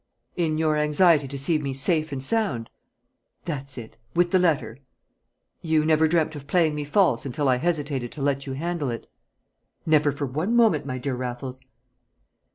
"In your anxiety to see me safe and sound?" "That's it with the letter." "You never dreamt of playing me false until I hesitated to let you handle it?" "Never for one moment, my dear Raffles!"